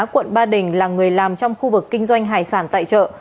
quận ba đình là người làm trong khu vực kinh doanh hải sản tại chợ